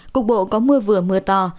cục bộ có mưa vừa mưa to